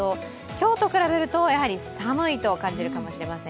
今日と比べると寒いと感じるかもしれません。